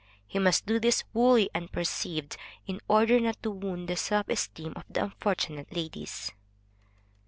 He must do this wholly unperceived, in order not to wound the self esteem of the unfortunate ladies.